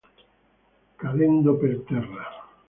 Cadendo per terra.